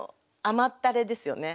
甘ったれですよね。